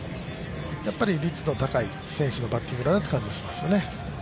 率の高い選手のバッティングだなという感じがしますね。